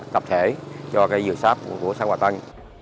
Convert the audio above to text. tập thể cho cây dừa sáp của xã hòa tân